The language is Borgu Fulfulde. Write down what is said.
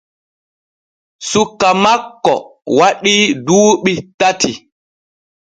Suka makko waɗii duuɓi tati.